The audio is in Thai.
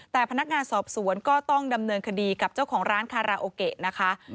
แต่พนักงานสอบสวนก็ต้องดำเนินคดีกับเจ้าของร้านคาราโอเกะนะคะ